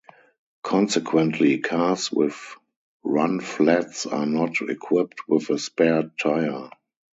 Consequently, cars with run-flats are not equipped with a spare tyre.